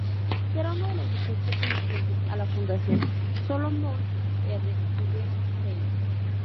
Será uno de los museos pertenecientes a la Fundación Solomon R. Guggenheim.